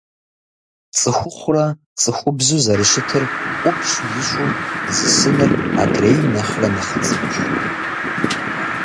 ЦӀыхухъурэ цӀыхубзу зэрыщытыр ӀупщӀ ищӀу, зысыныр адрейм нэхърэ нэхъ цӀыкӀущ.